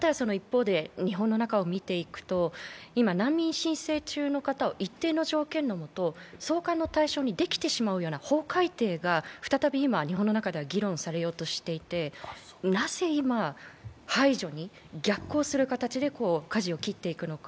一方で日本の中を見ていくと、今、難民申請中の方を送還の対象にできてしまう法体系が再び今、日本の中では議論されようとしていて、なぜ今、排除に、逆行する形でかじを切っていくのか。